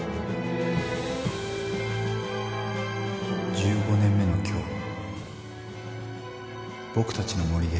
１５年目の今日僕たちの森で